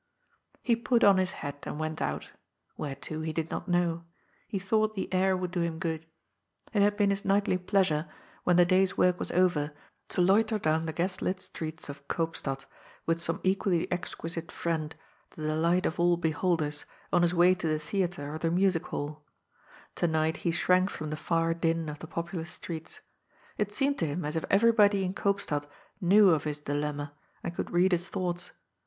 He put on his hat, and went out. Where to, he did not know. He thought the air would do him good. It had been his nightly pleasure, when the HENDRnCS TEMPTATION. 131 day's work was over, to loiter down the gaslit streets of Koopstad, with some equally exquisite friend, the delight of all beholders, on his way to the theatre or the music halL To night he shrank from the far din of the populous streets. It seemed to him as if everybody in Koopstad knew of his dilemma, and could read his thoughts.